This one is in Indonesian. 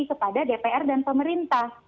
kepada dpr dan pemerintah